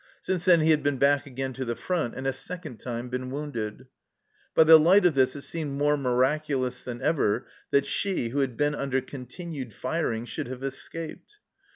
Since then he had been back again to the front, and a second time been wounded. By the light of this it seemed more miraculous than ever that she, who had been under continual firing, should have escaped.